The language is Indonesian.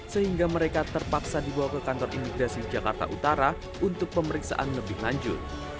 sehingga mereka terpaksa dibawa ke kantor imigrasi jakarta utara untuk pemeriksaan lebih lanjut